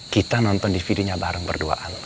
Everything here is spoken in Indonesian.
kita nonton dvd nya bareng berduaan